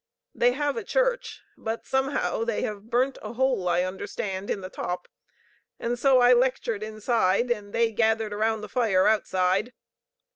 They have a church; but somehow they have burnt a hole, I understand, in the top, and so I lectured inside, and they gathered around the fire outside.